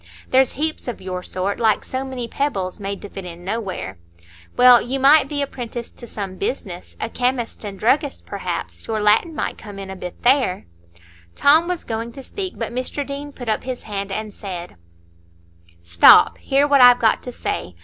There's heaps of your sort, like so many pebbles, made to fit in nowhere. Well, you might be apprenticed to some business,—a chemist's and druggist's perhaps; your Latin might come in a bit there——" Tom was going to speak, but Mr Deane put up his hand and said: "Stop! hear what I've got to say.